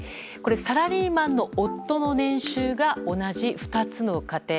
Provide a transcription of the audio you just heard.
サラリーマンの夫の年収が同じ２つの家庭。